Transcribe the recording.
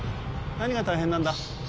何が大変なんだ？